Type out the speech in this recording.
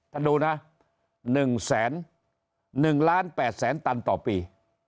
ท่านดูนะ๑๑ล้าน๘แสนตันต่อปี